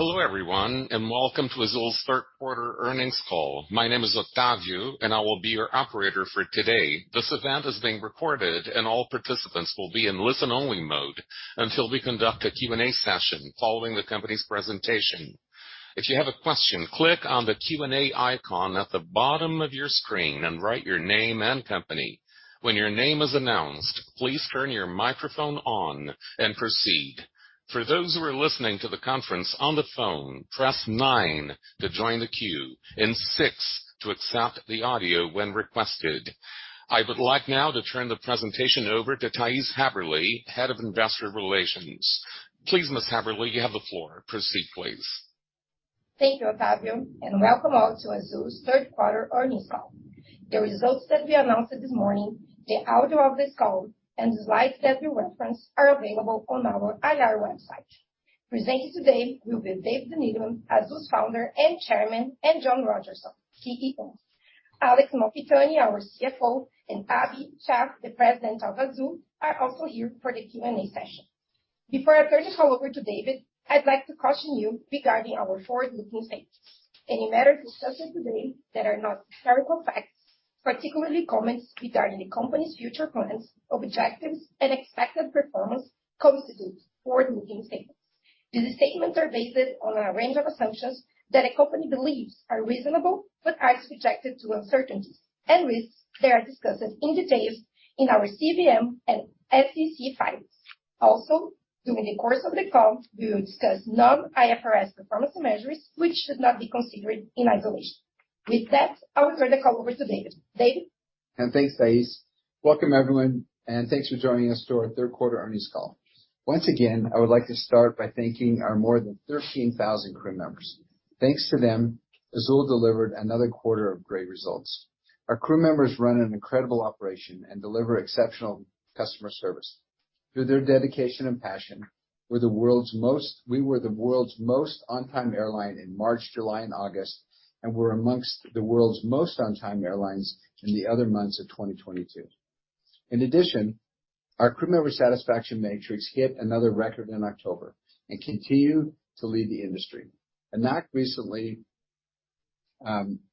Hello everyone, and welcome to Azul's third quarter earnings call. My name is Octavio, and I will be your operator for today. This event is being recorded, and all participants will be in listen-only mode until we conduct a Q&A session following the company's presentation. If you have a question, click on the Q&A icon at the bottom of your screen and write your name and company. When your name is announced, please turn your microphone on and proceed. For those who are listening to the conference on the phone, press nine to join the queue and six to accept the audio when requested. I would like now to turn the presentation over to Thais Haberli, Head of Investor Relations. Please, Ms. Haberli, you have the floor. Proceed, please. Thank you, Octavio, and welcome all to Azul's third quarter earnings call. The results that we announced this morning, the audio of this call and the slides that we reference are available on our IR website. Presenting today will be David Neeleman, Azul's Founder and Chairman; and John Rodgerson, CEO; Alex Malfitani, our CFO; and Abhi Shah, the President of Azul, are also here for the Q&A session. Before I turn the call over to David, I'd like to caution you regarding our forward-looking statements. Any matters discussed here today that are not historical facts, particularly comments regarding the company's future plans, objectives, and expected performance constitute forward-looking statements. These statements are based on a range of assumptions that a company believes are reasonable but are subjected to uncertainties and risks that are discussed in details in our CVM and SEC filings. Also, during the course of the call, we will discuss non-IFRS performance measures, which should not be considered in isolation. With that, I will turn the call over to David. David? Thanks, Thais. Welcome everyone, and thanks for joining us to our third quarter earnings call. Once again, I would like to start by thanking our more than 13,000 crew members. Thanks to them, Azul delivered another quarter of great results. Our crew members run an incredible operation and deliver exceptional customer service. Through their dedication and passion, we were the world's most on-time airline in March, July, and August, and we're amongst the world's most on-time airlines in the other months of 2022. In addition, our crew member satisfaction metrics hit another record in October and continue to lead the industry. ANAC recently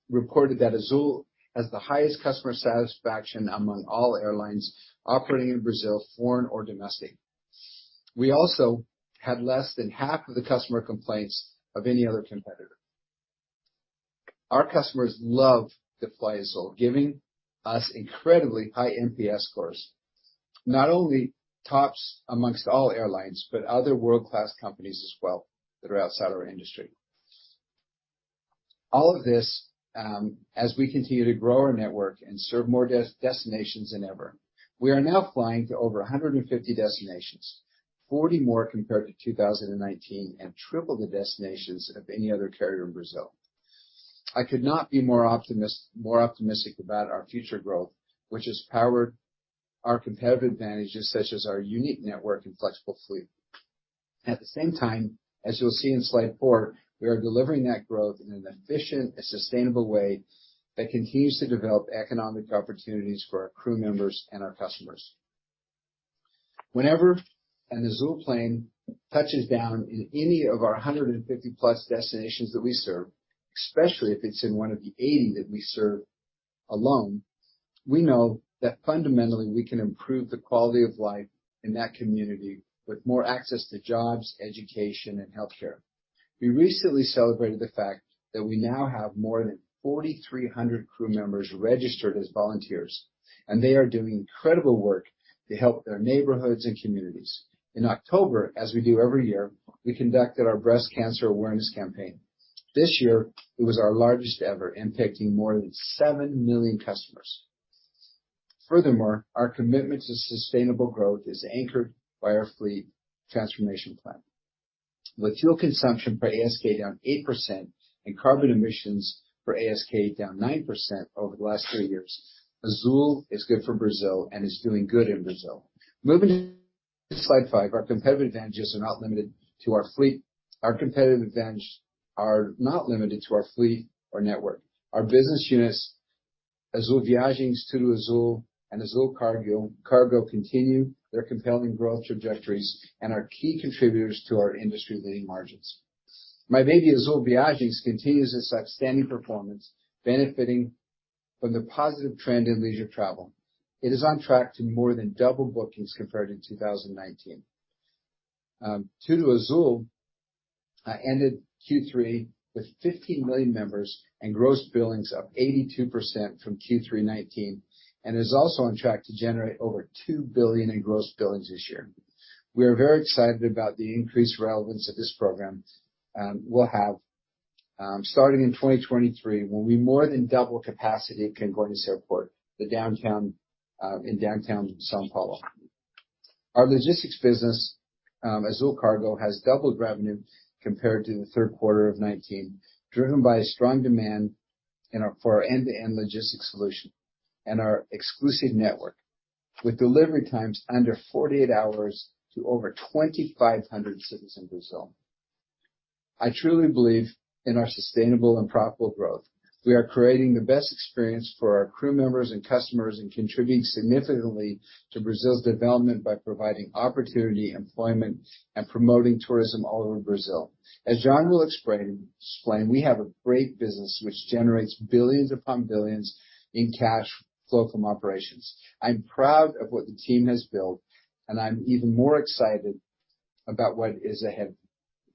reported that Azul has the highest customer satisfaction among all airlines operating in Brazil, foreign or domestic. We also had less than half of the customer complaints of any other competitor. Our customers love to fly Azul, giving us incredibly high NPS scores, not only tops amongst all airlines, but other world-class companies as well that are outside our industry. All of this, as we continue to grow our network and serve more destinations than ever. We are now flying to over 150 destinations, 40 more compared to 2019, and triple the destinations of any other carrier in Brazil. I could not be more optimistic about our future growth, which has powered our competitive advantages, such as our unique network and flexible fleet. At the same time, as you'll see in slide four, we are delivering that growth in an efficient and sustainable way that continues to develop economic opportunities for our crew members and our customers. Whenever an Azul plane touches down in any of our 150+ destinations that we serve, especially if it's in one of the 80 that we serve alone, we know that fundamentally we can improve the quality of life in that community with more access to jobs, education, and healthcare. We recently celebrated the fact that we now have more than 4,300 crew members registered as volunteers, and they are doing incredible work to help their neighborhoods and communities. In October, as we do every year, we conducted our Breast Cancer Awareness campaign. This year, it was our largest ever, impacting more than 7 million customers. Furthermore, our commitment to sustainable growth is anchored by our fleet transformation plan. With fuel consumption for ASK down 8% and carbon emissions for ASK down 9% over the last three years, Azul is good for Brazil and is doing good in Brazil. Moving to slide five, our competitive advantages are not limited to our fleet or network. Our business units, Azul Viagens, TudoAzul, and Azul Cargo continue their compelling growth trajectories and are key contributors to our industry-leading margins. Meanwhile, Azul Viagens continues its outstanding performance, benefiting from the positive trend in leisure travel. It is on track to more than double bookings compared to 2019. TudoAzul ended Q3 with 15 million members and gross billings up 82% from Q3 2019 and is also on track to generate over 2 billion in gross billings this year. We are very excited about the increased relevance that this program will have starting in 2023, when we more than double capacity at Congonhas Airport, the downtown in downtown São Paulo. Our logistics business, Azul Cargo, has doubled revenue compared to the third quarter of 2019, driven by a strong demand for our end-to-end logistics solution and our exclusive network, with delivery times under 48 hours to over 2,500 cities in Brazil. I truly believe in our sustainable and profitable growth. We are creating the best experience for our crew members and customers, and contributing significantly to Brazil's development by providing opportunity, employment, and promoting tourism all over Brazil. As John will explain, we have a great business which generates billions upon billions in cash flow from operations. I'm proud of what the team has built, and I'm even more excited about what is ahead,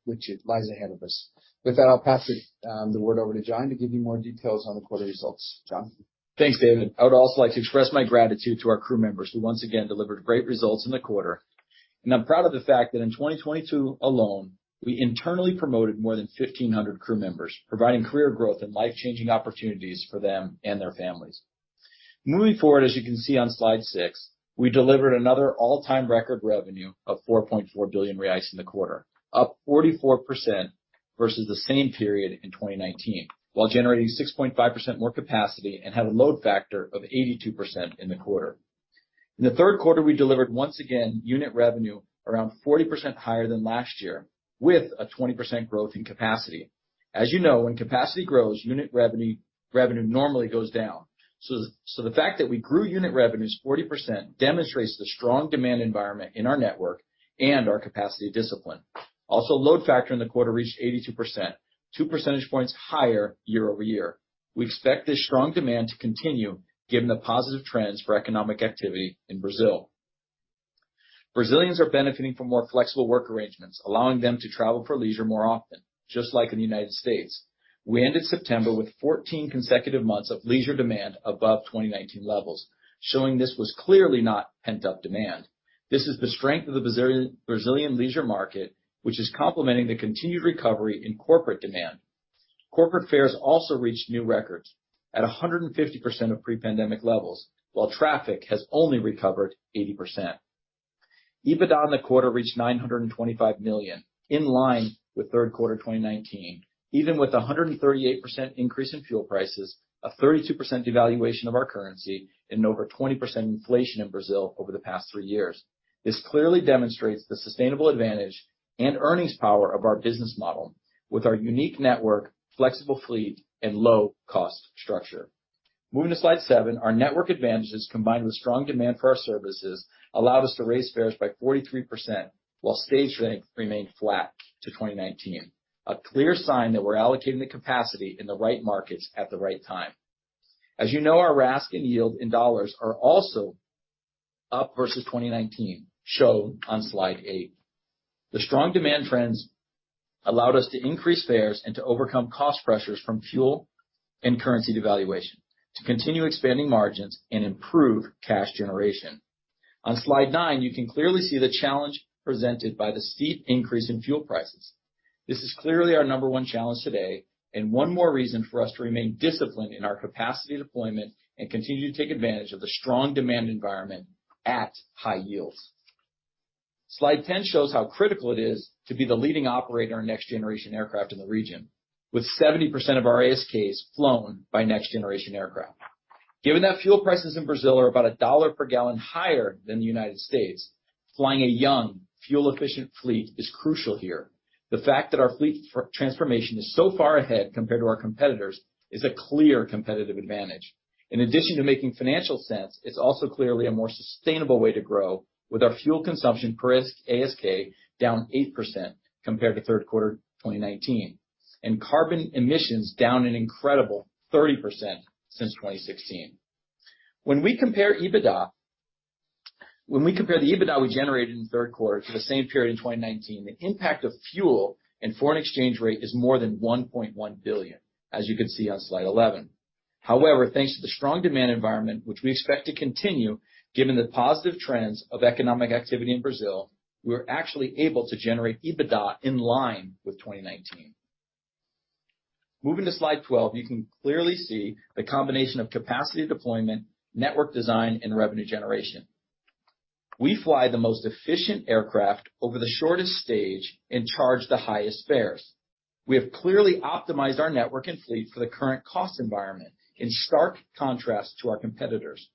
which lies ahead of us. With that, I'll pass the word over to John to give you more details on the quarter results. John? Thanks, David. I would also like to express my gratitude to our crew members, who once again delivered great results in the quarter. I'm proud of the fact that in 2022 alone, we internally promoted more than 1,500 crew members, providing career growth and life-changing opportunities for them and their families. Moving forward, as you can see on slide six, we delivered another all-time record revenue of 4.4 billion reais in the quarter, up 44% versus the same period in 2019, while generating 6.5% more capacity and had a load factor of 82% in the quarter. In the third quarter, we delivered once again unit revenue around 40% higher than last year, with a 20% growth in capacity. As you know, when capacity grows, unit revenue normally goes down. The fact that we grew unit revenues 40% demonstrates the strong demand environment in our network and our capacity discipline. Also, load factor in the quarter reached 82%, 2 percentage points higher year-over-year. We expect this strong demand to continue given the positive trends for economic activity in Brazil. Brazilians are benefiting from more flexible work arrangements, allowing them to travel for leisure more often, just like in the United States. We ended September with 14 consecutive months of leisure demand above 2019 levels, showing this was clearly not pent-up demand. This is the strength of the Brazilian leisure market, which is complementing the continued recovery in corporate demand. Corporate fares also reached new records at 150% of pre-pandemic levels, while traffic has only recovered 80%. EBITDA in the quarter reached 925 million, in line with third quarter 2019, even with a 138% increase in fuel prices, a 32% devaluation of our currency, and over 20% inflation in Brazil over the past three years. This clearly demonstrates the sustainable advantage and earnings power of our business model with our unique network, flexible fleet, and low cost structure. Moving to slide seven, our network advantages, combined with strong demand for our services, allowed us to raise fares by 43%, while stage length remained flat to 2019, a clear sign that we're allocating the capacity in the right markets at the right time. As you know, our RASK and yield in dollars are also up versus 2019, shown on slide eight. The strong demand trends allowed us to increase fares and to overcome cost pressures from fuel and currency devaluation, to continue expanding margins and improve cash generation. On slide nine, you can clearly see the challenge presented by the steep increase in fuel prices. This is clearly our number one challenge today, and one more reason for us to remain disciplined in our capacity deployment and continue to take advantage of the strong demand environment at high yields. Slide 10 shows how critical it is to be the leading operator of next-generation aircraft in the region, with 70% of our ASKs flown by next-generation aircraft. Given that fuel prices in Brazil are about $1 per gallon higher than the United States, flying a young, fuel-efficient fleet is crucial here. The fact that our fleet transformation is so far ahead compared to our competitors is a clear competitive advantage. In addition to making financial sense, it's also clearly a more sustainable way to grow, with our fuel consumption per RASK, ASK down 8% compared to third quarter 2019, and carbon emissions down an incredible 30% since 2016. When we compare the EBITDA we generated in the third quarter to the same period in 2019, the impact of fuel and foreign exchange rate is more than 1.1 billion, as you can see on slide 11. However, thanks to the strong demand environment, which we expect to continue, given the positive trends of economic activity in Brazil, we're actually able to generate EBITDA in line with 2019. Moving to slide 12, you can clearly see the combination of capacity deployment, network design, and revenue generation. We fly the most efficient aircraft over the shortest stage and charge the highest fares. We have clearly optimized our network and fleet for the current cost environment, in stark contrast to our competitors,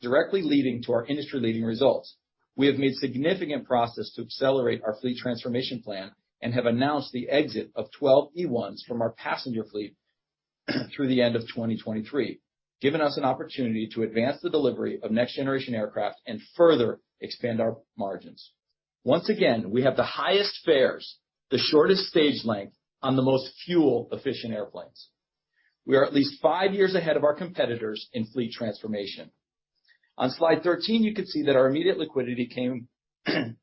directly leading to our industry-leading results. We have made significant progress to accelerate our fleet transformation plan and have announced the exit of 12 E1s from our passenger fleet through the end of 2023, giving us an opportunity to advance the delivery of next-generation aircraft and further expand our margins. Once again, we have the highest fares, the shortest stage length on the most fuel-efficient airplanes. We are at least five years ahead of our competitors in fleet transformation. On slide 13, you can see that our immediate liquidity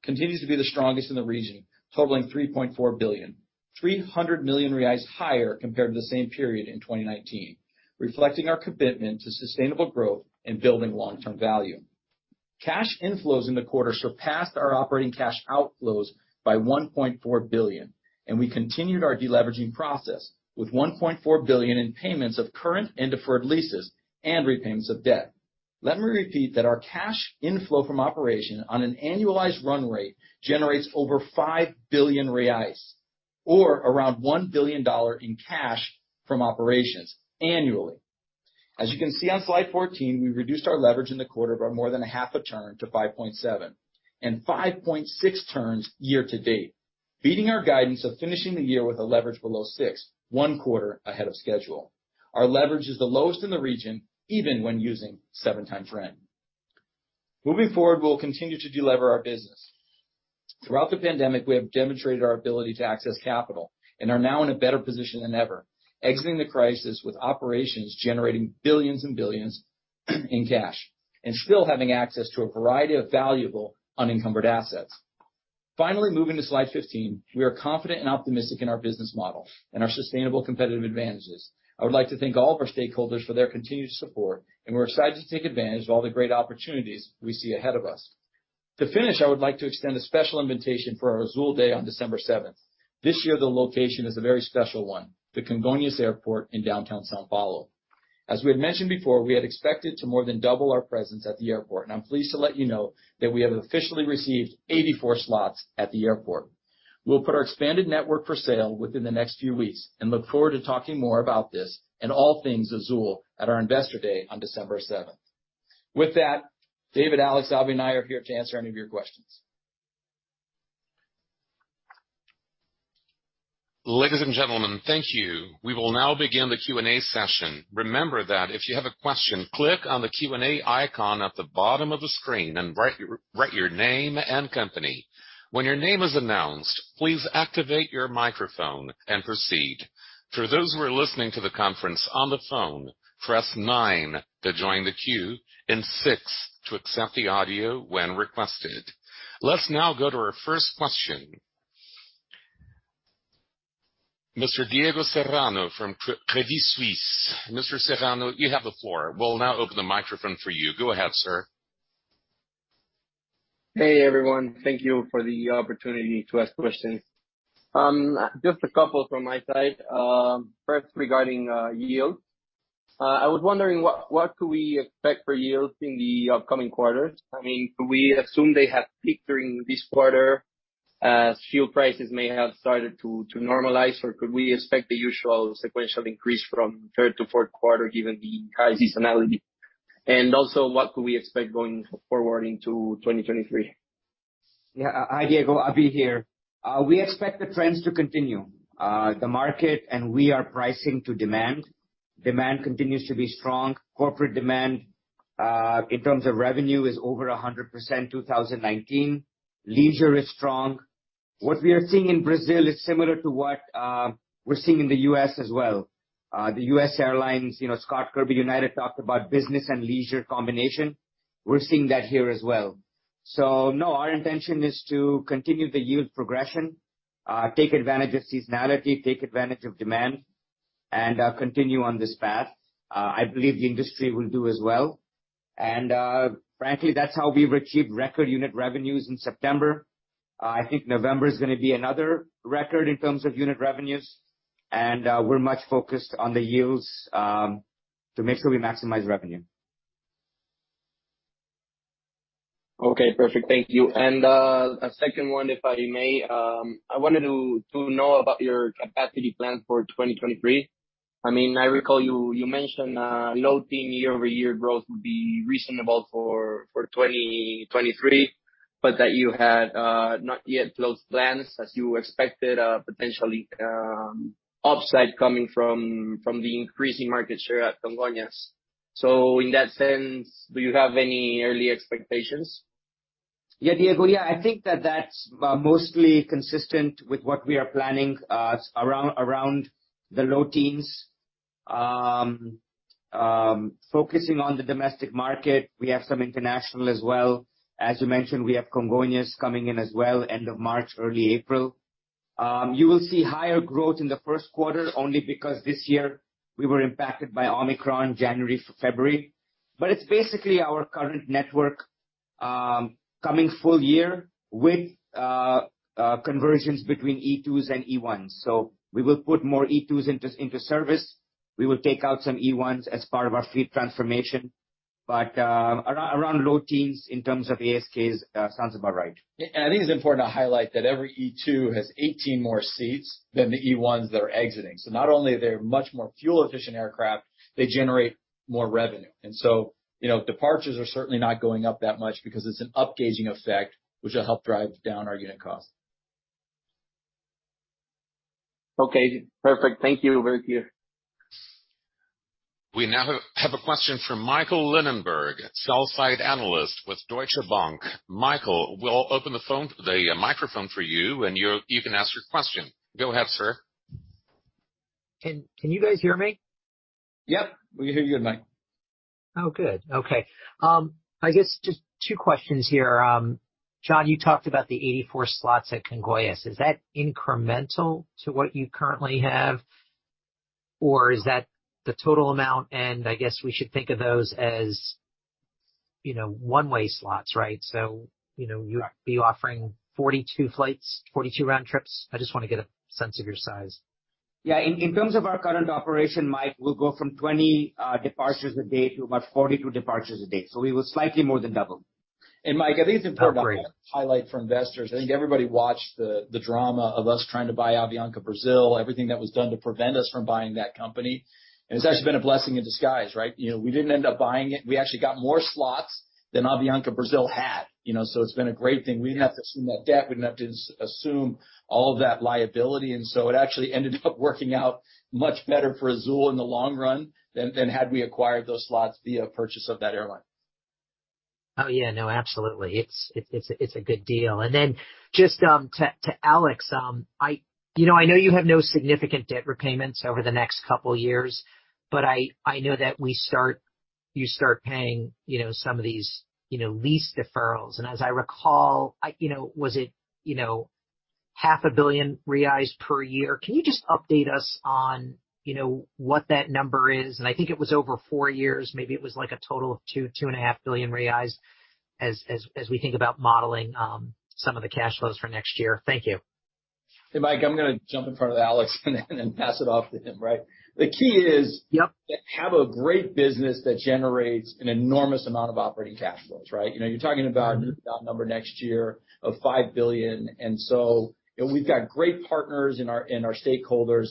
continues to be the strongest in the region, totaling 3.4 billion, 300 million reais higher compared to the same period in 2019, reflecting our commitment to sustainable growth and building long-term value. Cash inflows in the quarter surpassed our operating cash outflows by 1.4 billion, and we continued our deleveraging process with 1.4 billion in payments of current and deferred leases and repayments of debt. Let me repeat that our cash inflow from operations on an annualized run rate generates over 5 billion reais or around $1 billion in cash from operations annually. As you can see on slide 14, we reduced our leverage in the quarter by more than half a turn to 5.7, and 5.6 turns year-to-date, beating our guidance of finishing the year with a leverage below six, one quarter ahead of schedule. Our leverage is the lowest in the region, even when using 7x rent. Moving forward, we'll continue to delever our business. Throughout the pandemic, we have demonstrated our ability to access capital and are now in a better position than ever, exiting the crisis with operations generating billions and billions in cash and still having access to a variety of valuable unencumbered assets. Finally, moving to slide 15, we are confident and optimistic in our business model and our sustainable competitive advantages. I would like to thank all of our stakeholders for their continued support, and we're excited to take advantage of all the great opportunities we see ahead of us. To finish, I would like to extend a special invitation for our Azul Day on December 7th. This year, the location is a very special one, the Congonhas Airport in downtown São Paulo. As we had mentioned before, we had expected to more than double our presence at the airport, and I'm pleased to let you know that we have officially received 84 slots at the airport. We'll put our expanded network for sale within the next few weeks and look forward to talking more about this and all things Azul at our Investor Day on December 7th. With that, David, Alex, Abhi, and I are here to answer any of your questions. Ladies and gentlemen, thank you. We will now begin the Q&A session. Remember that if you have a question, click on the Q&A icon at the bottom of the screen and write your name and company. When your name is announced, please activate your microphone and proceed. For those who are listening to the conference on the phone, press nine to join the queue and six to accept the audio when requested. Let's now go to our first question. Mr. Diego Serrano from Credit Suisse. Mr. Serrano, you have the floor. We'll now open the microphone for you. Go ahead, sir. Hey, everyone. Thank you for the opportunity to ask questions. Just a couple from my side. First, regarding yields. I was wondering what could we expect for yields in the upcoming quarters? I mean, could we assume they have peaked during this quarter as fuel prices may have started to normalize, or could we expect the usual sequential increase from third to fourth quarter given the high seasonality? Also, what could we expect going forward into 2023? Yeah. Hi, Diego. Abhi here. We expect the trends to continue. The market, and we are pricing to demand. Demand continues to be strong. Corporate demand, in terms of revenue is over 100% 2019. Leisure is strong. What we are seeing in Brazil is similar to what we're seeing in the U.S. as well. The U.S. Airlines, you know, Scott Kirby, United, talked about business and leisure combination. We're seeing that here as well. No, our intention is to continue the yield progression, take advantage of seasonality, take advantage of demand, and continue on this path. I believe the industry will do as well. Frankly, that's how we've achieved record unit revenues in September. I think November is gonna be another record in terms of unit revenues, and we're much focused on the yields to make sure we maximize revenue. Okay, perfect. Thank you. A second one, if I may. I wanted to know about your capacity plan for 2023. I mean, I recall you mentioned low-teen year-over-year growth would be reasonable for 2023, but that you had not yet closed plans as you expected potentially upside coming from the increasing market share at Congonhas. In that sense, do you have any early expectations? Yeah, Diego. Yeah, I think that's mostly consistent with what we are planning around the low teens. Focusing on the domestic market. We have some international as well. As you mentioned, we have Congonhas coming in as well, end of March, early April. You will see higher growth in the first quarter only because this year we were impacted by Omicron, January, February. It's basically our current network coming full year with conversions between E2s and E1s. We will put more E2s into service. We will take out some E1s as part of our fleet transformation. Around low teens in terms of ASKs sounds about right. Yeah. I think it's important to highlight that every E2 has 18 more seats than the E1s that are exiting. Not only are they much more fuel-efficient aircraft, they generate more revenue. You know, departures are certainly not going up that much because it's an upgauging effect, which will help drive down our unit cost. Okay, perfect. Thank you. Very clear. We now have a question from Michael Linenberg, Sell-Side Analyst with Deutsche Bank. Michael, we'll open the microphone for you, and you can ask your question. Go ahead, sir. Can you guys hear me? Yep, we hear you, Mike. Oh, good. Okay. I guess just two questions here. John, you talked about the 84 slots at Congonhas. Is that incremental to what you currently have, or is that the total amount? I guess we should think of those as, you know, one-way slots, right? You know, you'll be offering 42 flights, 42 round trips? I just wanna get a sense of your size. In terms of our current operation, Mike, we'll go from 20 departures a day to about 42 departures a day. We will slightly more than double. Mike, I think it's important to highlight for investors, I think everybody watched the drama of us trying to buy Avianca Brasil, everything that was done to prevent us from buying that company. It's actually been a blessing in disguise, right? You know, we didn't end up buying it. We actually got more slots than Avianca Brasil had, you know, so it's been a great thing. We didn't have to assume that debt. We didn't have to assume all of that liability, and so it actually ended up working out much better for Azul in the long run than had we acquired those slots via purchase of that airline. Oh, yeah. No, absolutely. It's a good deal. Then just to Alex, you know, I know you have no significant debt repayments over the next couple years, but I know that you start paying, you know, some of these lease deferrals. As I recall, you know, was it 0.5 billion reais per year? Can you just update us on, you know, what that number is? I think it was over four years. Maybe it was like a total of 2 billion reais, BRL 2.5 billion as we think about modeling some of the cash flows for next year. Thank you. Hey, Mike, I'm gonna jump in front of Alex and then pass it off to him, right? The key is. Yep. To have a great business that generates an enormous amount of operating cash flows, right? You know, you're talking about a number next year of 5 billion. You know, we've got great partners in our, in our stakeholders.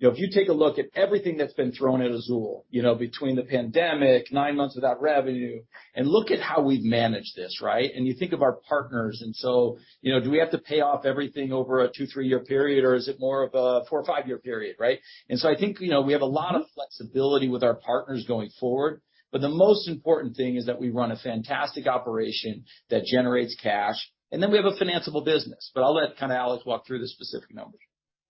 You know, if you take a look at everything that's been thrown at Azul, you know, between the pandemic, nine months without revenue, and look at how we've managed this, right? You think of our partners. You know, do we have to pay off everything over a two to three-year period, or is it more of a four to five-year period, right? I think, you know, we have a lot of flexibility with our partners going forward. The most important thing is that we run a fantastic operation that generates cash, and then we have a financiable business. I'll let kinda Alex walk through the specific numbers.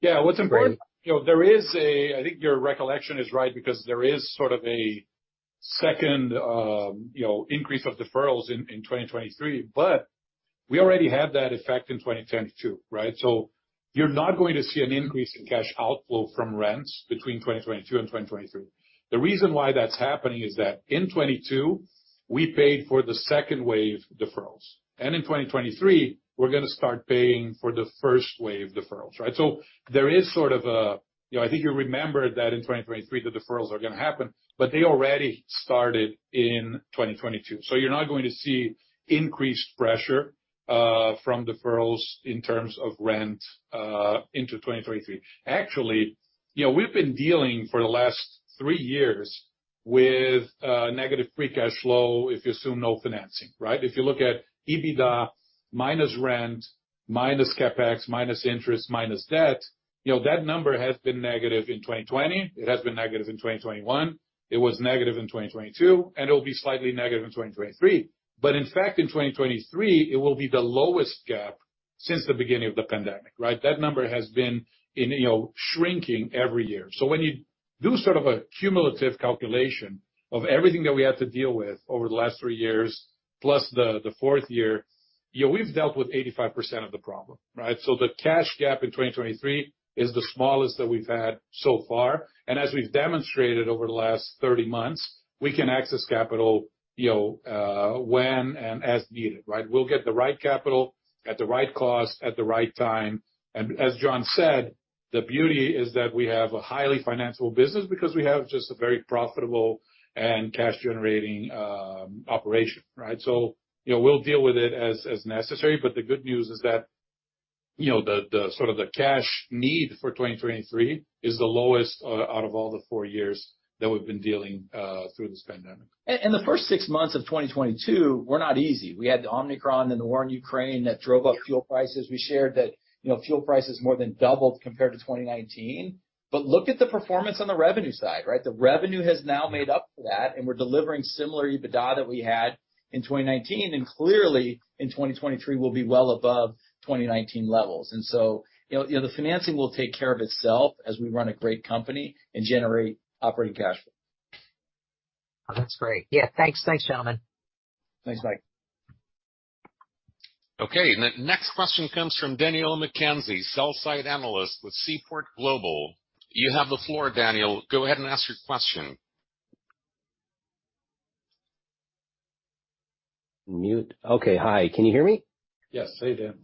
Yeah. What's important, you know, there is. I think your recollection is right because there is sort of a second, you know, increase of deferrals in 2023, but we already have that effect in 2022, right? So you're not going to see an increase in cash outflow from rents between 2022 and 2023. The reason why that's happening is that in 2022, we paid for the second wave deferrals, and in 2023, we're gonna start paying for the first wave deferrals, right? So there is sort of a. You know, I think you remember that in 2023, the deferrals are gonna happen, but they already started in 2022. So you're not going to see increased pressure from deferrals in terms of rent into 2023. Actually, you know, we've been dealing for the last three years with negative free cash flow if you assume no financing, right? If you look at EBITDA minus rent, minus CapEx, minus interest, minus debt, you know, that number has been negative in 2020, it has been negative in 2021, it was negative in 2022, and it'll be slightly negative in 2023. In fact, in 2023, it will be the lowest gap since the beginning of the pandemic, right? That number has been in, you know, shrinking every year. When you do sort of a cumulative calculation of everything that we had to deal with over the last three years plus the fourth year, you know, we've dealt with 85% of the problem, right? The cash gap in 2023 is the smallest that we've had so far. As we've demonstrated over the last 30 months, we can access capital, you know, when and as needed, right? We'll get the right capital at the right cost at the right time. As John said, the beauty is that we have a highly financiable business because we have just a very profitable and cash-generating operation, right? You know, we'll deal with it as necessary, but the good news is that, you know, the sort of cash need for 2023 is the lowest out of all the four years that we've been dealing through this pandemic. The first six months of 2022 were not easy. We had the Omicron and the war in Ukraine that drove up fuel prices. We shared that, you know, fuel prices more than doubled compared to 2019. Look at the performance on the revenue side, right? The revenue has now made up for that, and we're delivering similar EBITDA that we had in 2019, and clearly, in 2023 will be well above 2019 levels. You know, the financing will take care of itself as we run a great company and generate operating cash flow. That's great. Yeah. Thanks. Thanks, gentlemen. Thanks, Mike. Okay, the next question comes from Daniel McKenzie, Sell-Side Analyst with Seaport Global. You have the floor, Daniel. Go ahead and ask your question. Mute. Okay. Hi, can you hear me? Yes. Hey, Dan.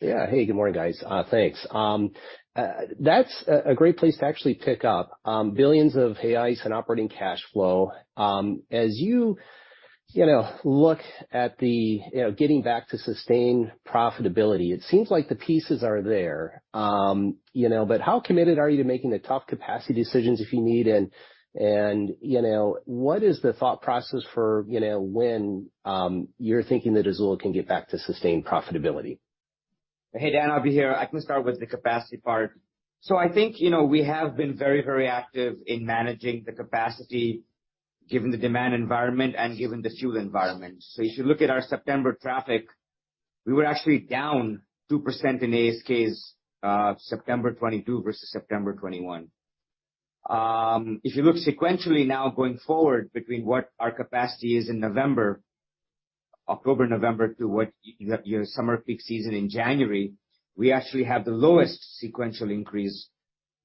Yeah. Hey, good morning, guys. Thanks. That's a great place to actually pick up billions of reais in operating cash flow. As you know, look at getting back to sustained profitability, it seems like the pieces are there, you know. How committed are you to making the tough capacity decisions if you need? What is the thought process for, you know, when you're thinking that Azul can get back to sustained profitability? Hey, Dan. Abhi here. I can start with the capacity part. I think, you know, we have been very, very active in managing the capacity given the demand environment and given the fuel environment. If you look at our September traffic, we were actually down 2% in ASKs, September 2022 versus September 2021. If you look sequentially now going forward between what our capacity is in October, November to what your summer peak season in January, we actually have the lowest sequential increase,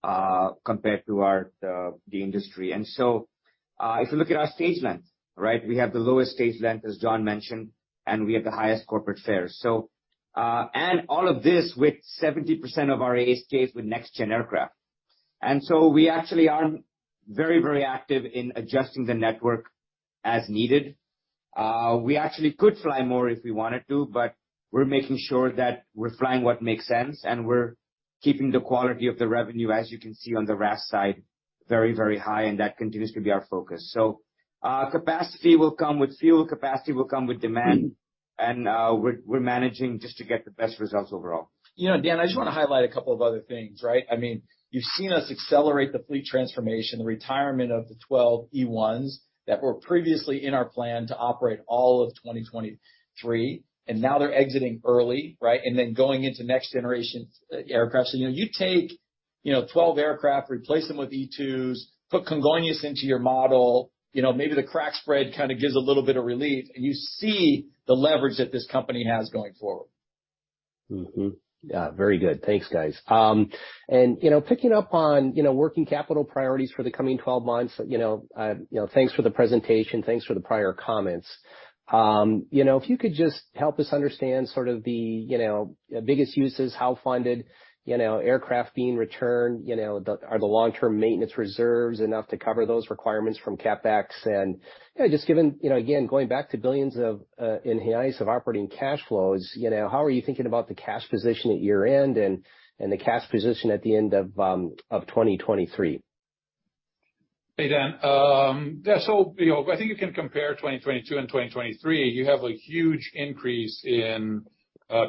compared to our, the industry. If you look at our stage length, right? We have the lowest stage length, as John mentioned, and we have the highest corporate fares. All of this with 70% of our ASKs with next gen aircraft. We actually are very, very active in adjusting the network as needed. We actually could fly more if we wanted to, but we're making sure that we're flying what makes sense, and we're keeping the quality of the revenue, as you can see on the RASK side, very, very high, and that continues to be our focus. Capacity will come with fuel, capacity will come with demand, and we're managing just to get the best results overall. You know, Dan, I just wanna highlight a couple of other things, right? I mean, you've seen us accelerate the fleet transformation, the retirement of the 12 E1s that were previously in our plan to operate all of 2023, and now they're exiting early, right? Going into next generation aircraft. You know, you take, you know, 12 aircraft, replace them with E2s, put Congonhas into your model, you know, maybe the crack spread kinda gives a little bit of relief, and you see the leverage that this company has going forward. Yeah, very good. Thanks, guys. You know, picking up on working capital priorities for the coming 12 months, you know, thanks for the presentation, thanks for the prior comments. You know, if you could just help us understand sort of the biggest uses, how funded, you know, aircraft being returned, you know. Are the long-term maintenance reserves enough to cover those requirements from CapEx? You know, just given, you know, again, going back to billions of reais of operating cash flows, you know, how are you thinking about the cash position at year-end and the cash position at the end of 2023? Hey, Dan. You know, I think you can compare 2022 and 2023. You have a huge increase in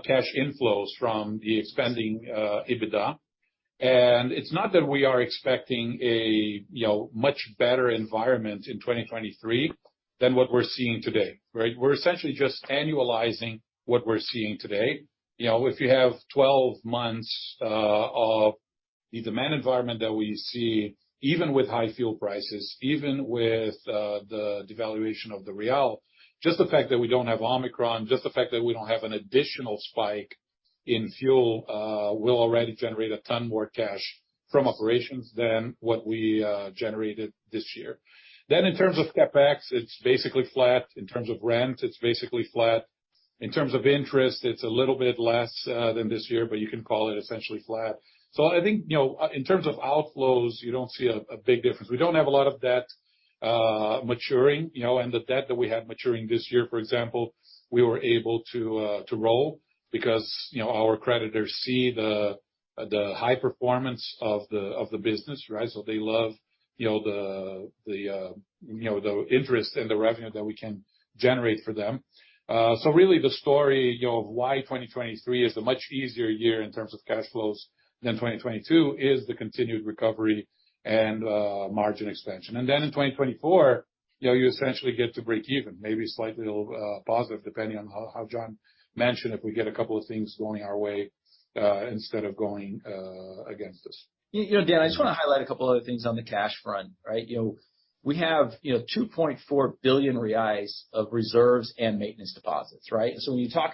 cash inflows from the expanding EBITDA. It's not that we are expecting a, you know, much better environment in 2023 than what we're seeing today, right? We're essentially just annualizing what we're seeing today. You know, if you have 12 months of the demand environment that we see, even with high fuel prices, even with the devaluation of the real, just the fact that we don't have Omicron, just the fact that we don't have an additional spike in fuel, will already generate a ton more cash from operations than what we generated this year. In terms of CapEx, it's basically flat. In terms of rent, it's basically flat. In terms of interest, it's a little bit less than this year, but you can call it essentially flat. I think, you know, in terms of outflows, you don't see a big difference. We don't have a lot of debt maturing, you know. The debt that we have maturing this year, for example, we were able to roll because, you know, our creditors see the high performance of the business, right? They love, you know, the interest and the revenue that we can generate for them. Really the story, you know, of why 2023 is a much easier year in terms of cash flows than 2022 is the continued recovery and margin expansion. In 2024, you know, you essentially get to breakeven, maybe slightly positive, depending on how John mentioned, if we get a couple of things going our way, instead of going against us. You know, Dan, I just wanna highlight a couple other things on the cash front, right? You know, we have 2.4 billion reais of reserves and maintenance deposits, right? Inside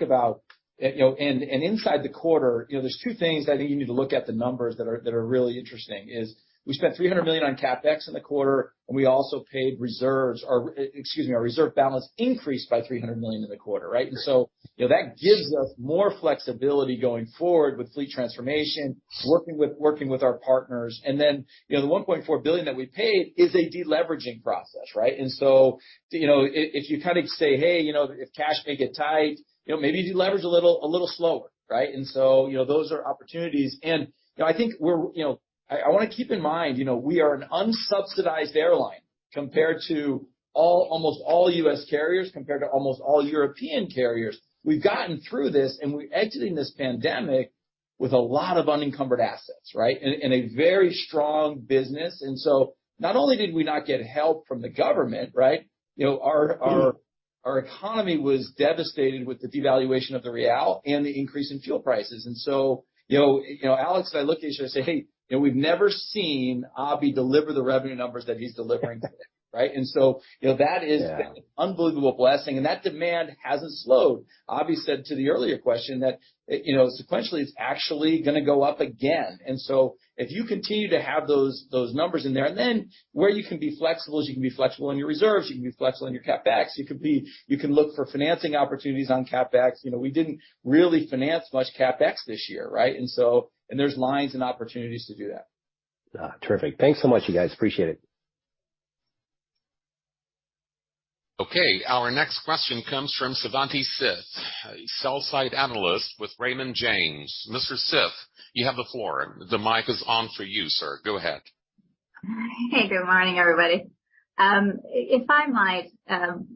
the quarter, you know, there are two things I think you need to look at. The numbers that are really interesting is we spent 300 million on CapEx in the quarter, and we also paid reserves or, excuse me, our reserve balance increased by 300 million in the quarter, right? You know, that gives us more flexibility going forward with fleet transformation, working with our partners. You know, the 1.4 billion that we paid is a deleveraging process, right? You know, if you kind of say, "Hey, you know, if cash may get tight, you know, maybe deleverage a little slower," right? You know, those are opportunities. You know, I think we're. You know, I wanna keep in mind, you know, we are an unsubsidized airline compared to almost all U.S. carriers, compared to almost all European carriers. We've gotten through this, and we're exiting this pandemic with a lot of unencumbered assets, right? A very strong business. Not only did we not get help from the government, right? You know, our economy was devastated with the devaluation of the real and the increase in fuel prices. You know, Alex and I look at each other and say, "Hey, you know, we've never seen Abhi deliver the revenue numbers that he's delivering today," right? You know, that is. Yeah. An unbelievable blessing. That demand hasn't slowed. Abhi said to the earlier question that, you know, sequentially, it's actually gonna go up again. If you continue to have those numbers in there. Where you can be flexible is you can be flexible in your reserves, you can be flexible in your CapEx, you can look for financing opportunities on CapEx. You know, we didn't really finance much CapEx this year, right? There's lines and opportunities to do that. Terrific. Thanks so much, you guys. Appreciate it. Okay. Our next question comes from Savanthi Syth, a Sell-Side Analyst with Raymond James. Mr. Syth, you have the floor. The mic is on for you, sir. Go ahead. Hey, good morning, everybody. If I might,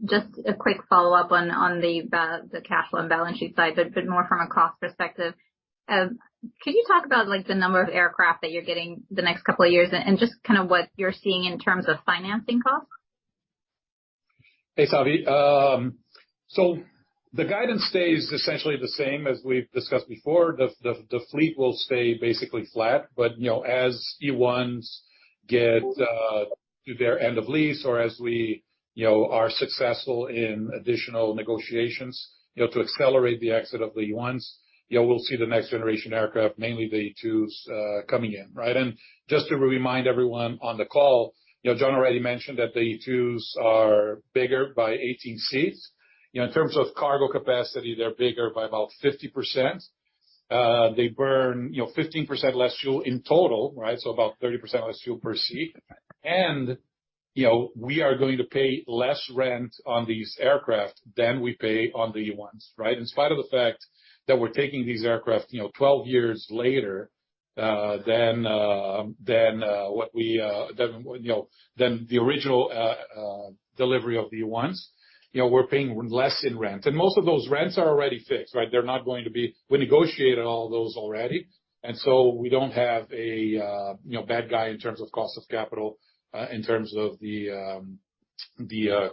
just a quick follow-up on the capital and balance sheet side, but more from a cost perspective. Can you talk about, like, the number of aircraft that you're getting the next couple of years, and just kind of what you're seeing in terms of financing costs? Hey, Savi. So the guidance stays essentially the same as we've discussed before. The fleet will stay basically flat, but you know, as E1s get to their end of lease or as we you know, are successful in additional negotiations you know, to accelerate the exit of the E1s, you know, we'll see the next generation aircraft, mainly the E2s, coming in, right? Just to remind everyone on the call, you know, John already mentioned that the E2s are bigger by 18 seats. You know, in terms of cargo capacity, they're bigger by about 50%. They burn you know, 15% less fuel in total, right? So about 30% less fuel per seat. You know, we are going to pay less rent on these aircraft than we pay on E1s, right? In spite of the fact that we're taking these aircraft, you know, 12 years later than the original delivery of E1s. You know, we're paying less in rent. Most of those rents are already fixed, right? They're not going to be. We negotiated all those already. We don't have a, you know, bad guy in terms of cost of capital, in terms of the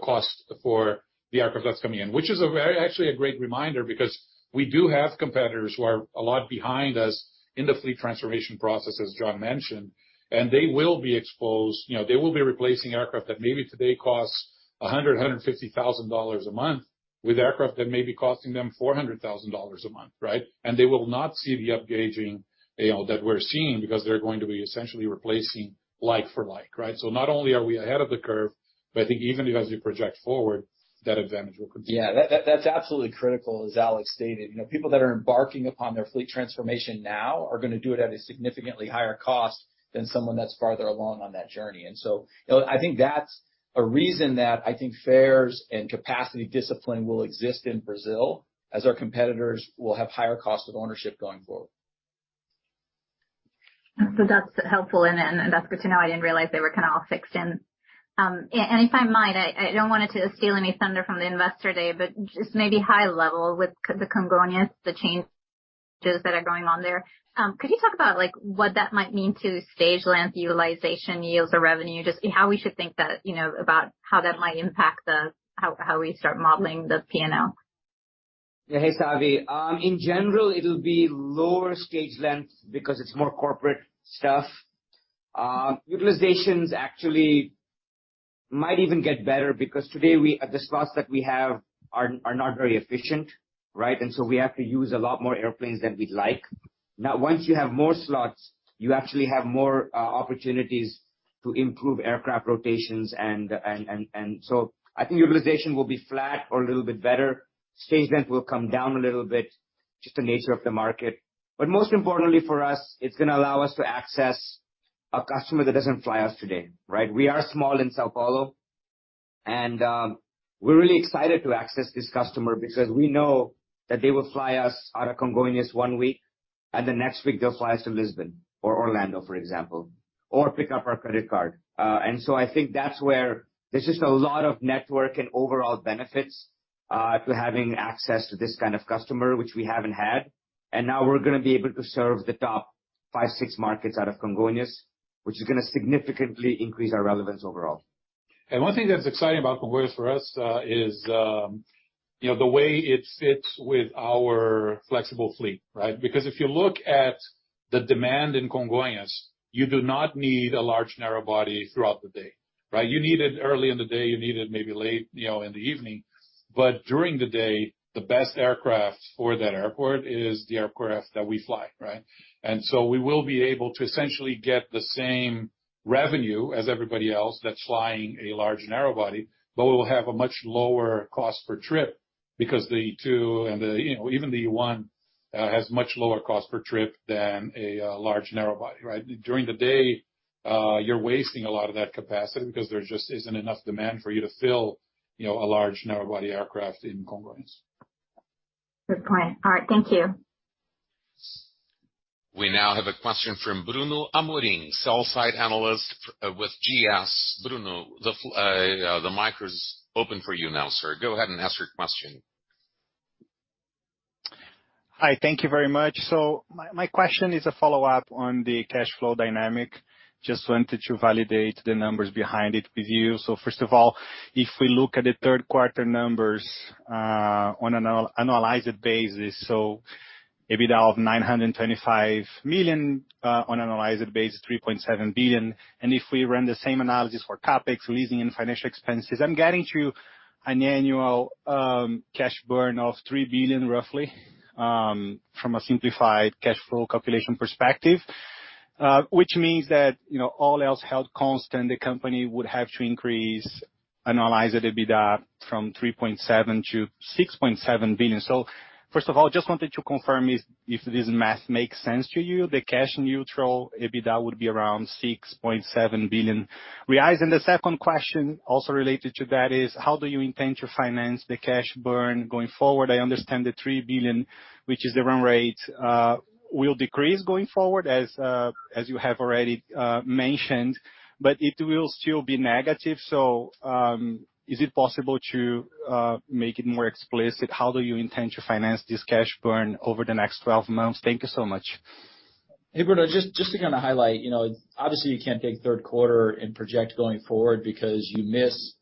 cost for the aircraft that's coming in. Which is actually a very great reminder because we do have competitors who are a lot behind us in the fleet transformation process, as John mentioned, and they will be exposed. You know, they will be replacing aircraft that maybe today costs $150,000 a month with aircraft that may be costing them $400,000 a month, right? They will not see the upgauging, you know, that we're seeing because they're going to be essentially replacing like for like, right? Not only are we ahead of the curve, but I think even as we project forward, that advantage will continue. Yeah. That's absolutely critical, as Alex stated. You know, people that are embarking upon their fleet transformation now are gonna do it at a significantly higher cost than someone that's farther along on that journey. I think that's a reason that I think fares and capacity discipline will exist in Brazil as our competitors will have higher cost of ownership going forward. That's helpful, and that's good to know. I didn't realize they were kind of all fixed in. If I might, I don't want it to steal any thunder from the Investor Day, but just maybe high level with the Congonhas, the changes that are going on there. Could you talk about, like, what that might mean to stage length, utilization, yields or revenue, just how we should think that, you know, about how that might impact how we start modeling the P&L? Yeah. Hey, Savi. In general, it'll be lower stage length because it's more corporate stuff. Utilizations actually might even get better because today the slots that we have are not very efficient, right? We have to use a lot more airplanes than we'd like. Now, once you have more slots, you actually have more opportunities to improve aircraft rotations and so I think utilization will be flat or a little bit better. Stage length will come down a little bit, just the nature of the market. Most importantly for us, it's gonna allow us to access a customer that doesn't fly us today, right? We are small in São Paulo, and we're really excited to access this customer because we know that they will fly us out of Congonhas one week, and the next week they'll fly us to Lisbon or Orlando, for example, or pick up our credit card. I think that's where there's just a lot of network and overall benefits to having access to this kind of customer which we haven't had. Now we're gonna be able to serve the top five, six markets out of Congonhas, which is gonna significantly increase our relevance overall. One thing that's exciting about Congonhas for us is, you know, the way it fits with our flexible fleet, right? Because if you look at the demand in Congonhas, you do not need a large narrow body throughout the day, right? You need it early in the day, you need it maybe late, you know, in the evening. During the day, the best aircraft for that airport is the aircraft that we fly, right? We will be able to essentially get the same revenue as everybody else that's flying a large narrow body, but we will have a much lower cost per trip because the two and the, you know, even the one has much lower cost per trip than a large narrow body, right? During the day, you're wasting a lot of that capacity because there just isn't enough demand for you to fill, you know, a large narrow body aircraft in Congonhas. Good point. All right. Thank you. We now have a question from Bruno Amorim, Sell-Side Analyst with GS. Bruno, the mic's open for you now, sir. Go ahead and ask your question. Hi. Thank you very much. My question is a follow-up on the cash flow dynamic. Just wanted to validate the numbers behind it with you. First of all, if we look at the third quarter numbers, on an analyzed basis, EBITDA of 925 million, on analyzed basis, 3.7 billion. If we run the same analysis for CapEx, leasing and financial expenses, I'm getting to an annual cash burn of 3 billion roughly, from a simplified cash flow calculation perspective. Which means that, you know, all else held constant, the company would have to increase annualized EBITDA from 3.7 billion-6.7 billion. First of all, just wanted to confirm if this math makes sense to you. The cash neutral EBITDA would be around 6.7 billion reais. The second question also related to that is, how do you intend to finance the cash burn going forward? I understand the 3 billion, which is the run rate, will decrease going forward as you have already mentioned, but it will still be negative. Is it possible to make it more explicit? How do you intend to finance this cash burn over the next 12 months? Thank you so much. Hey, Bruno. Just to kinda highlight, you know, obviously you can't take third quarter and project going forward because you miss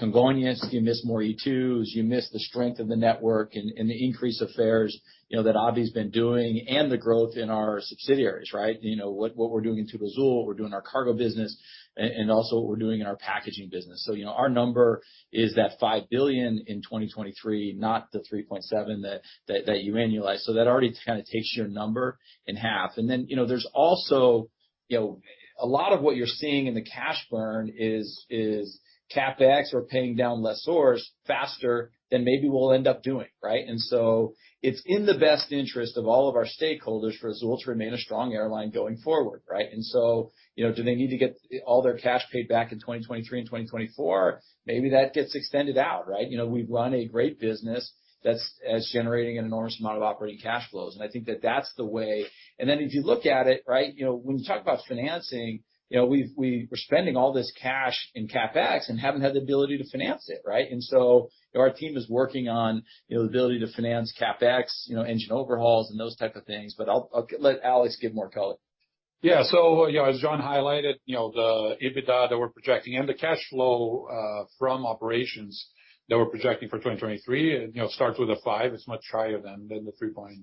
Congonhas, you miss more E2s, you miss the strength of the network and the increase of fares, you know, that Abhi been doing and the growth in our subsidiaries, right? You know, what we're doing in Azul, what we're doing in our cargo business, and also what we're doing in our passenger business. You know, our number is 5 billion in 2023, not the 3.7 billion that you annualized. That already kinda takes your number in half. You know, a lot of what you're seeing in the cash burn is CapEx or paying down lessors faster than maybe we'll end up doing, right? It's in the best interest of all of our stakeholders for Azul to remain a strong airline going forward, right? You know, do they need to get all their cash paid back in 2023 and 2024? Maybe that gets extended out, right? You know, we run a great business that's generating an enormous amount of operating cash flows. I think that's the way. If you look at it, right, you know, when you talk about financing, you know, we're spending all this cash in CapEx and haven't had the ability to finance it, right? Our team is working on, you know, the ability to finance CapEx, you know, engine overhauls and those type of things. But I'll let Alex give more color. Yeah. You know, as John highlighted, you know, the EBITDA that we're projecting and the cash flow from operations that we're projecting for 2023, you know, starts with a five. It's much higher than the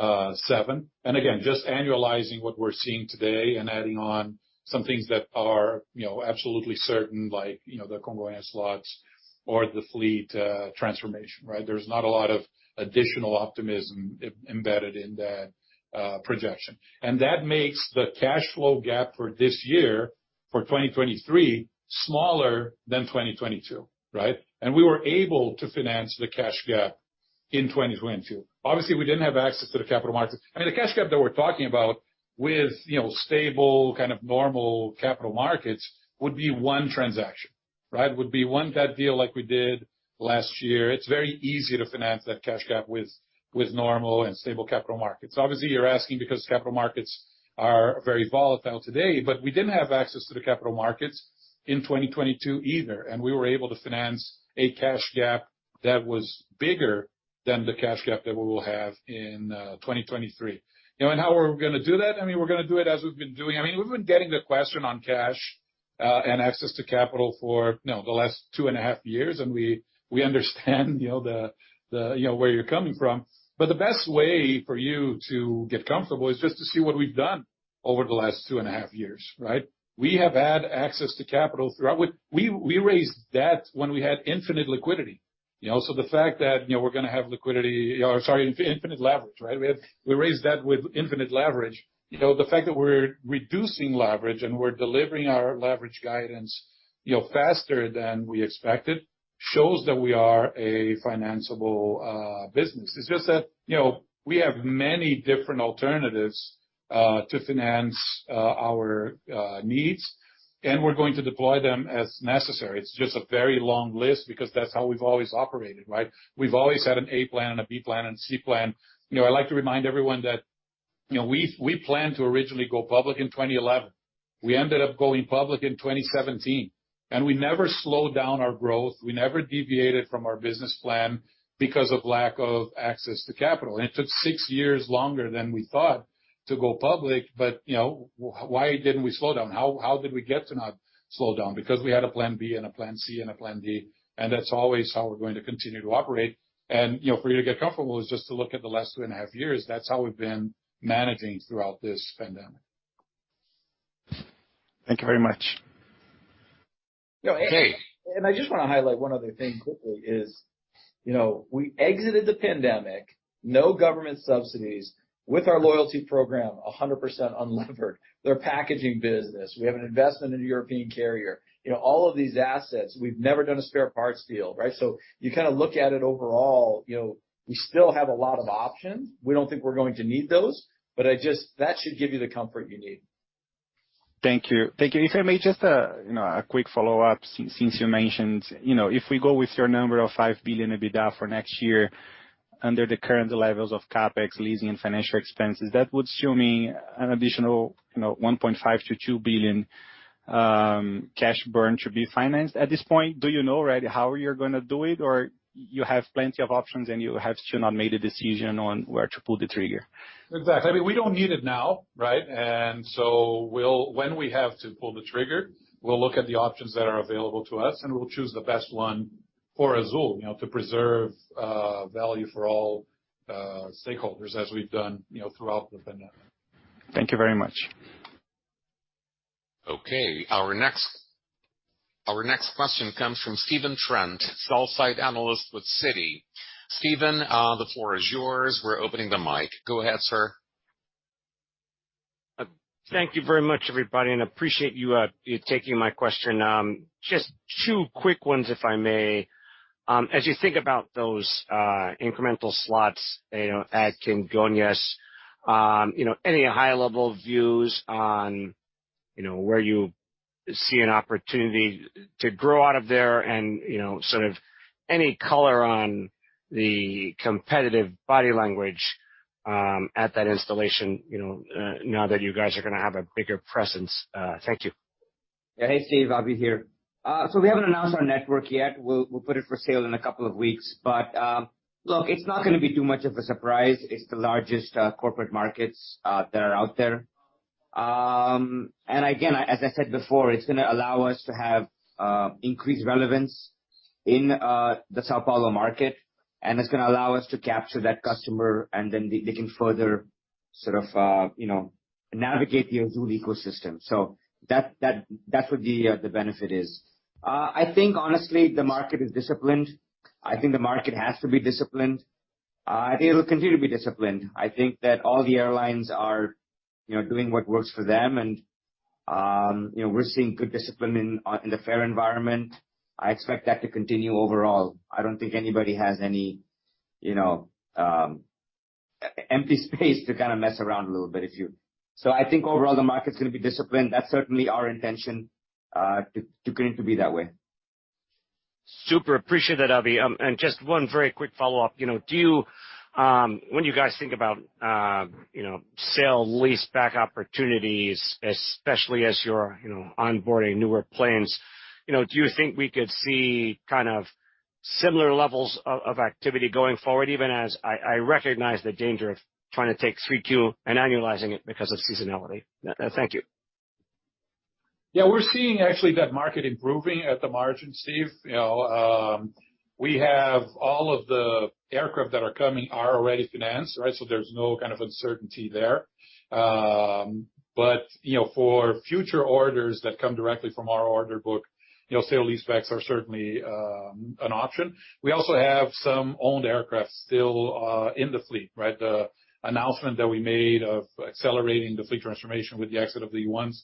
3.7. Just annualizing what we're seeing today and adding on some things that are, you know, absolutely certain like, you know, the Congonhas slots or the fleet transformation, right? There's not a lot of additional optimism embedded in that projection. That makes the cash flow gap for this year, for 2023, smaller than 2022, right? We were able to finance the cash gap in 2022. Obviously, we didn't have access to the capital markets. I mean, the cash gap that we're talking about with, you know, stable, kind of normal capital markets would be one transaction, right? Would be one debt deal like we did last year. It's very easy to finance that cash gap with normal and stable capital markets. Obviously, you're asking because capital markets are very volatile today, but we didn't have access to the capital markets in 2022 either, and we were able to finance a cash gap that was bigger than the cash gap that we will have in 2023. You know, and how are we gonna do that? I mean, we're gonna do it as we've been doing. I mean, we've been getting the question on cash and access to capital for, you know, the last two and a half years, and we understand, you know, the you know, where you're coming from. The best way for you to get comfortable is just to see what we've done over the last two and a half years, right? We have had access to capital throughout. We raised debt when we had infinite liquidity. You know, so the fact that, you know, we're gonna have infinite leverage, right? We raised debt with infinite leverage. You know, the fact that we're reducing leverage and we're delivering our leverage guidance, you know, faster than we expected, shows that we are a financiable business. It's just that, you know, we have many different alternatives to finance our needs, and we're going to deploy them as necessary. It's just a very long list because that's how we've always operated, right? We've always had an A plan and a B plan and a C plan. You know, I like to remind everyone that, you know, we planned to originally go public in 2011. We ended up going public in 2017, and we never slowed down our growth. We never deviated from our business plan because of lack of access to capital. It took six years longer than we thought to go public, but, you know, why didn't we slow down? How did we get to not slow down? Because we had a plan B and a plan C and a plan D, and that's always how we're going to continue to operate. You know, for you to get comfortable is just to look at the last two and a half years. That's how we've been managing throughout this pandemic. Thank you very much. You know, I just wanna highlight one other thing quickly is, you know, we exited the pandemic, no government subsidies, with our loyalty program 100% unlevered. Their packaging business. We have an investment in a European carrier. You know, all of these assets, we've never done a spare parts deal, right? You kind of look at it overall, you know, we still have a lot of options. We don't think we're going to need those, but I just. That should give you the comfort you need. Thank you. Thank you. If I may just, you know, a quick follow-up since you mentioned, you know, if we go with your number of 5 billion EBITDA for next year under the current levels of CapEx, leasing, and financial expenses, that would show me an additional, you know, 1.5-2 billion cash burn should be financed. At this point, do you know already how you're gonna do it, or you have plenty of options and you have to not made a decision on where to pull the trigger? Exactly. I mean, we don't need it now, right? We'll, when we have to pull the trigger, look at the options that are available to us, and we'll choose the best one for Azul, you know, to preserve value for all stakeholders as we've done, you know, throughout the pandemic. Thank you very much. Okay, our next question comes from Stephen Trent, Sell-Side Analyst with Citi. Stephen, the floor is yours. We're opening the mic. Go ahead, sir. Thank you very much, everybody, and appreciate you taking my question. Just two quick ones, if I may. As you think about those incremental slots, you know, at Congonhas, you know, any high-level views on, you know, where you see an opportunity to grow out of there and, you know, sort of any color on the competitive body language, at that installation, you know, now that you guys are gonna have a bigger presence? Thank you. Yeah. Hey, Steve, Abhi here. We haven't announced our network yet. We'll put it for sale in a couple of weeks. Look, it's not gonna be too much of a surprise. It's the largest corporate markets that are out there. Again, as I said before, it's gonna allow us to have increased relevance in the São Paulo market, and it's gonna allow us to capture that customer, and then they can further sort of you know, navigate the Azul ecosystem. That's what the benefit is. I think honestly, the market is disciplined. I think the market has to be disciplined. I think it'll continue to be disciplined. I think that all the airlines are, you know, doing what works for them, and you know, we're seeing good discipline in the fare environment. I expect that to continue overall. I don't think anybody has any, you know, empty space to kind of mess around a little bit. I think overall the market's gonna be disciplined. That's certainly our intention to continue to be that way. Super. Appreciate that, Abhi. Just one very quick follow-up. You know, do you, when you guys think about, you know, sale leaseback opportunities, especially as you're, you know, onboarding newer planes, you know, do you think we could see kind of similar levels of activity going forward, even as I recognize the danger of trying to take 3Q and annualizing it because of seasonality? Thank you. Yeah. We're seeing actually that market improving at the margin, Steve. You know, we have all of the aircraft that are coming are already financed, right? So there's no kind of uncertainty there. You know, for future orders that come directly from our order book, you know, sale leasebacks are certainly an option. We also have some owned aircraft still in the fleet, right? The announcement that we made of accelerating the fleet transformation with the exit of E1s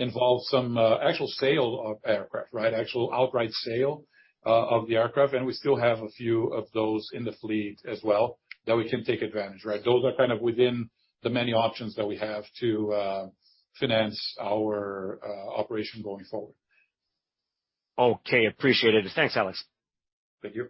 involves some actual sale of aircraft, right? Actual outright sale of the aircraft, and we still have a few of those in the fleet as well that we can take advantage, right? Those are kind of within the many options that we have to finance our operation going forward. Okay. Appreciate it. Thanks, Alex. Thank you.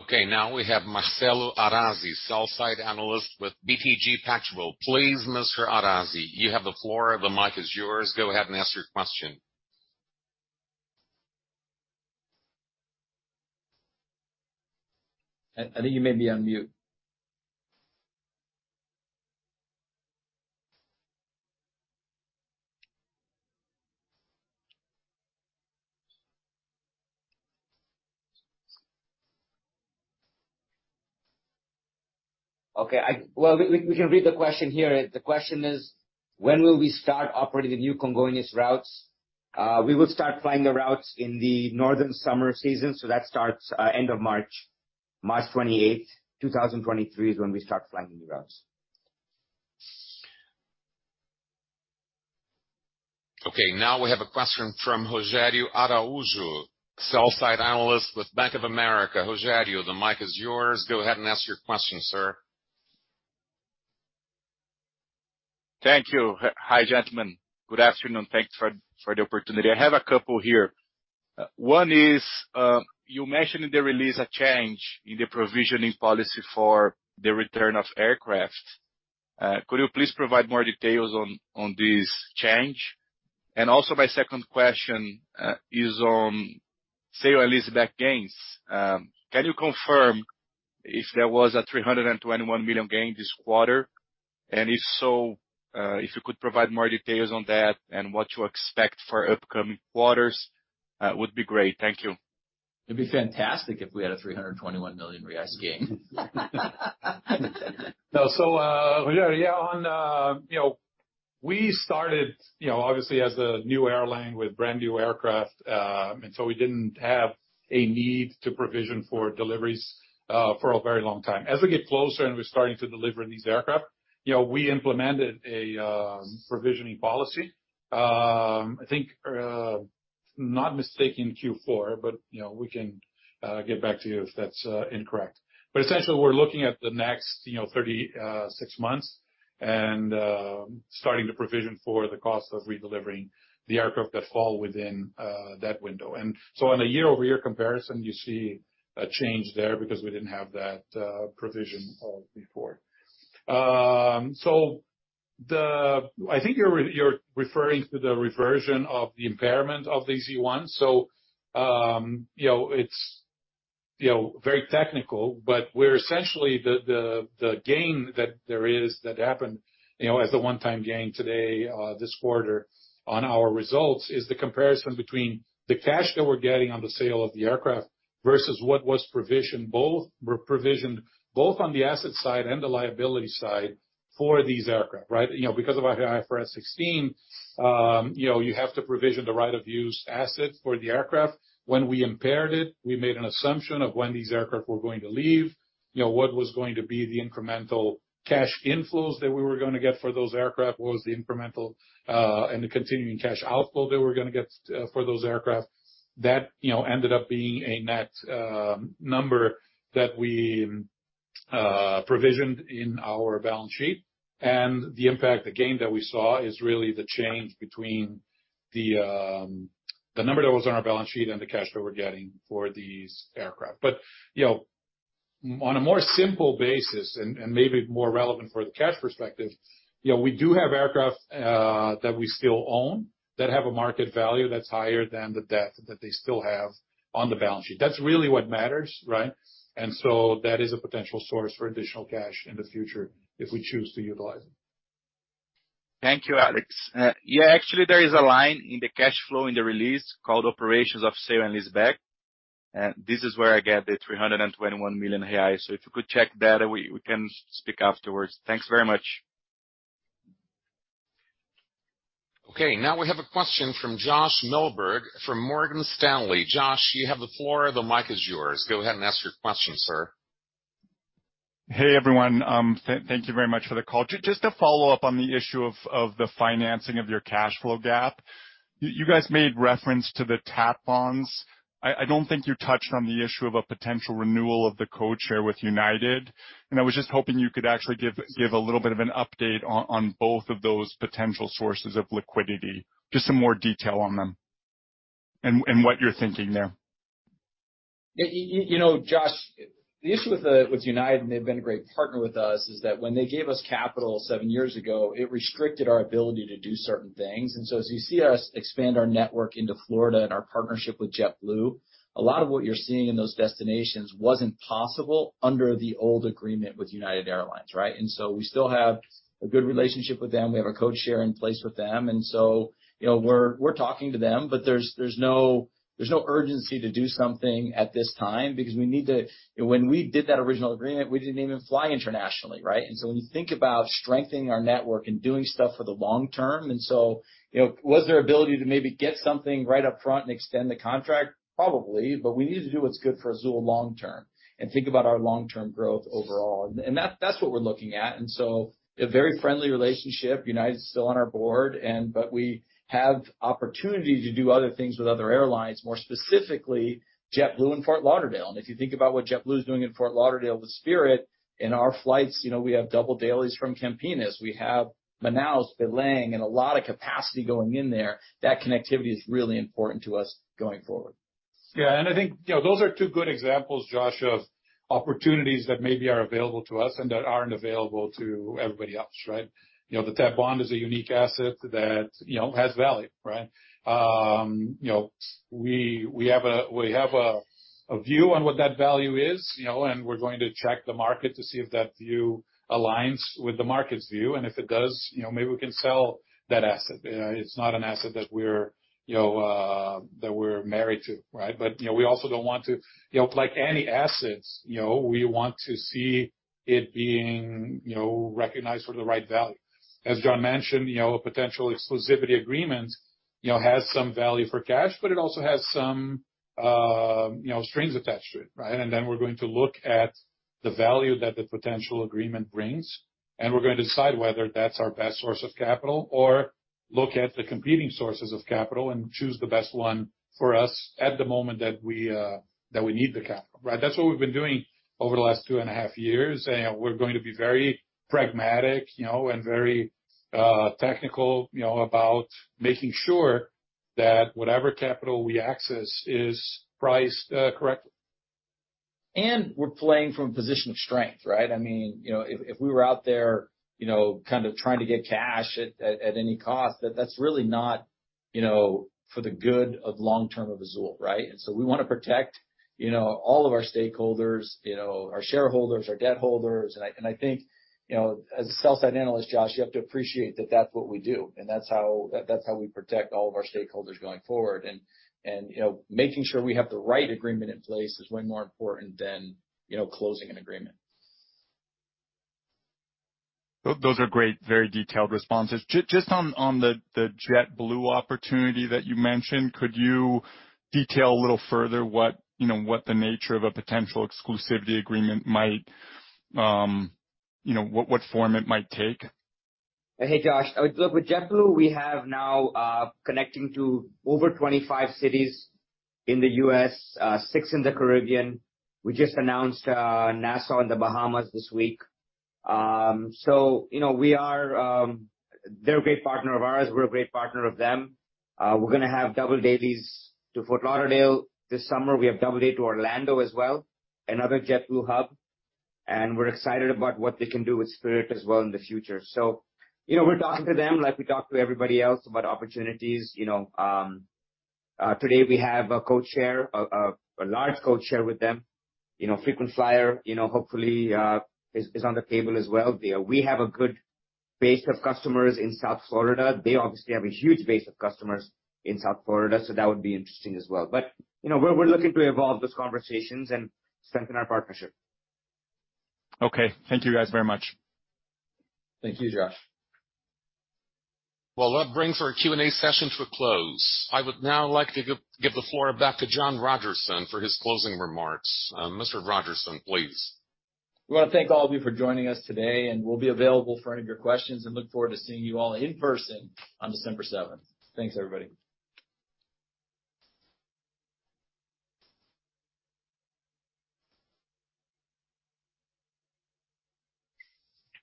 Okay, now we have Marcelo Arazi, Sell-Side Analyst with BTG Pactual. Please, Mr. Arazi, you have the floor. The mic is yours. Go ahead and ask your question. I think you may be on mute. Okay, well, we can read the question here. The question is, when will we start operating the new Congonhas routes? We will start flying the routes in the northern summer season, so that starts end of March. March twenty-eighth, two thousand twenty-three is when we start flying the routes. Okay, now we have a question from Rogerio Araujo, Sell-Side Analyst with Bank of America. Rogerio, the mic is yours. Go ahead and ask your question, sir. Thank you. Hi, gentlemen. Good afternoon. Thanks for the opportunity. I have a couple here. One is, you mentioned in the release a change in the provisioning policy for the return of aircraft. Could you please provide more details on this change? Also my second question is on sale and leaseback gains. Can you confirm if there was a 321 million gain this quarter? And if so, if you could provide more details on that and what you expect for upcoming quarters, would be great. Thank you. It'd be fantastic if we had a 321 million reais gain. No, Rogerio. You know, we started, you know, obviously as a new airline with brand-new aircraft, and we didn't have a need to provision for deliveries for a very long time. As we get closer, and we're starting to deliver these aircraft, we implemented a provisioning policy. I think, if I'm not mistaken, Q4, we can get back to you if that's incorrect. Essentially, we're looking at the next 36 months and starting to provision for the cost of redelivering the aircraft that fall within that window. On a year-over-year comparison, you see a change there because we didn't have that provision of before. I think you're referring to the reversion of the impairment of the E1. You know, it's very technical, but we're essentially the gain that there is that happened, you know, as a one-time gain today, this quarter on our results, is the comparison between the cash that we're getting on the sale of the aircraft versus what was provisioned. Both were provisioned both on the asset side and the liability side for these aircraft, right? You know, because of IFRS 16, you know, you have to provision the right of use asset for the aircraft. When we impaired it, we made an assumption of when these aircraft were going to leave, you know, what was going to be the incremental cash inflows that we were gonna get for those aircraft, what was the incremental and the continuing cash outflow that we're gonna get for those aircraft. That ended up being a net number that we provisioned in our balance sheet. The impact, the gain that we saw is really the change between the number that was on our balance sheet and the cash that we're getting for these aircraft. On a more simple basis and maybe more relevant for the cash perspective, you know, we do have aircraft that we still own that have a market value that's higher than the debt that they still have on the balance sheet. That's really what matters, right? That is a potential source for additional cash in the future if we choose to utilize it. Thank you, Alex. Yeah, actually there is a line in the cash flow in the release called proceeds from sale and leaseback. This is where I get the 321 million reais. If you could check that, we can speak afterwards. Thanks very much. Okay, now we have a question from Josh Milberg from Morgan Stanley. Josh, you have the floor. The mic is yours. Go ahead and ask your question, sir. Hey, everyone. Thank you very much for the call. Just to follow up on the issue of the financing of your cash flow gap. You guys made reference to the TAP bonds. I don't think you touched on the issue of a potential renewal of the codeshare with United, and I was just hoping you could actually give a little bit of an update on both of those potential sources of liquidity, just some more detail on them and what you're thinking there. You know, Josh, the issue with United, and they've been a great partner with us, is that when they gave us capital seven years ago, it restricted our ability to do certain things. As you see us expand our network into Florida and our partnership with JetBlue, a lot of what you're seeing in those destinations wasn't possible under the old agreement with United Airlines, right? We still have a good relationship with them. We have a codeshare in place with them. You know, we're talking to them, but there's no urgency to do something at this time because we need to. When we did that original agreement, we didn't even fly internationally, right? When you think about strengthening our network and doing stuff for the long term, you know, was there ability to maybe get something right up front and extend the contract? Probably. We need to do what's good for Azul long term and think about our long-term growth overall. That, that's what we're looking at. A very friendly relationship. United's still on our board, but we have opportunity to do other things with other airlines, more specifically JetBlue and Fort Lauderdale. If you think about what JetBlue is doing in Fort Lauderdale with Spirit, in our flights, you know, we have double dailies from Campinas. We have Manaus, Belém, and a lot of capacity going in there. That connectivity is really important to us going forward. Yeah. I think, you know, those are two good examples, Josh, of opportunities that maybe are available to us and that aren't available to everybody else, right? You know, the TAP bond is a unique asset that, you know, has value, right? We have a view on what that value is, you know, and we're going to check the market to see if that view aligns with the market's view. If it does, you know, maybe we can sell that asset. It's not an asset that we're married to, right? We also don't want to. You know, like any assets, you know, we want to see it being recognized for the right value. As John mentioned, you know, a potential exclusivity agreement, you know, has some value for cash, but it also has some, you know, strings attached to it, right? We're going to look at the value that the potential agreement brings, and we're gonna decide whether that's our best source of capital or look at the competing sources of capital and choose the best one for us at the moment that we need the capital, right? That's what we've been doing over the last two and a half years, and we're going to be very pragmatic, you know, and very, technical, you know, about making sure that whatever capital we access is priced, correctly. We're playing from a position of strength, right? I mean, you know, if we were out there, you know, kind of trying to get cash at any cost, that's really not, you know, for the good of long term of Azul, right? We wanna protect, you know, all of our stakeholders, you know, our shareholders, our debt holders. I think, you know, as a Sell-Side Analyst, Josh, you have to appreciate that that's what we do, and that's how we protect all of our stakeholders going forward. You know, making sure we have the right agreement in place is way more important than, you know, closing an agreement. Those are great, very detailed responses. Just on the JetBlue opportunity that you mentioned, could you detail a little further what, you know, what the nature of a potential exclusivity agreement might, you know, what form it might take? Hey, Josh. Look, with JetBlue, we have now connecting to over 25 cities in the U.S., six in the Caribbean. We just announced Nassau in The Bahamas this week. You know, they're a great partner of ours. We're a great partner of them. We're gonna have double dailies to Fort Lauderdale this summer. We have double daily to Orlando as well, another JetBlue hub, and we're excited about what they can do with Spirit as well in the future. You know, we're talking to them like we talk to everybody else about opportunities. You know, today we have a codeshare, a large codeshare with them. You know, frequent flyer, you know, hopefully is on the table as well. We have a good base of customers in South Florida. They obviously have a huge base of customers in South Florida. That would be interesting as well. You know, we're looking to evolve those conversations and strengthen our partnership. Okay. Thank you guys very much. Thank you, Josh. Well, that brings our Q&A session to a close. I would now like to give the floor back to John Rodgerson for his closing remarks. Mr. Rodgerson, please. We want to thank all of you for joining us today, and we'll be available for any of your questions and look forward to seeing you all in person on December 7th. Thanks, everybody.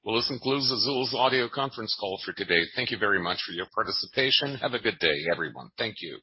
Well, this concludes Azul's audio conference call for today. Thank you very much for your participation. Have a good day, everyone. Thank you.